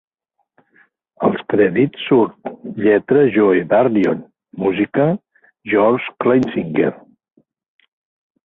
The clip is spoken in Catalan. Als crèdits surt: Lletra - Joe Darion, Música - George Kleinsinger.